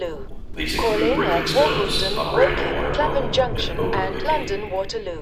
These included breaking stones, operating a water pump, and oakum picking.